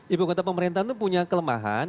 ibu kota pemerintahan itu punya kelemahan